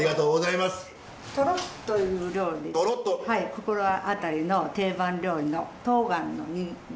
ここら辺りの定番料理のとうがんの煮物です。